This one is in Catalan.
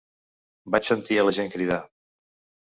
Vaig sentir a la gent cridar.